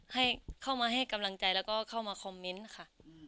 ให้เข้ามาให้กำลังใจแล้วก็เข้ามาคอมเมนต์ค่ะ